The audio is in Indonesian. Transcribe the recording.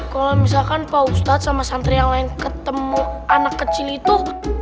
kalau misalkan pak ustadz sama santri yang lain ketemu anak kecil itu